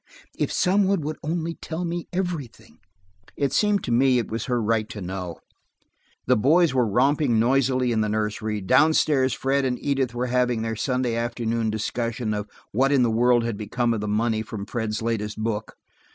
If some one would only tell me everything!" It seemed to me it was her right to know. The boys were romping noisily in the nursery. Down stairs Fred and Edith were having their Sunday afternoon discussion of what in the world had become of the money from Fred's latest book.